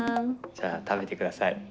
じゃあ食べて下さい。